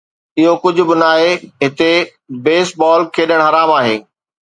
اهو ڪجهه به ناهي، هتي بيس بال کيڏڻ حرام آهي